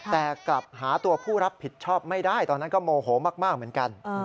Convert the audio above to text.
แต่กลับหาตัวผู้รับผิดชอบไม่ได้ตอนนั้นก็โมโหมากเหมือนกัน